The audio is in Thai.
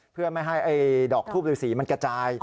เพื่อไม่ให้ดอกทูบฤษีมันกระจาย